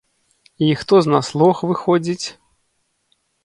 І хто з нас лох, выходзіць?